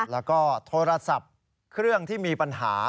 แล้วก็โทรศัพท์เครื่องที่มีปัญหา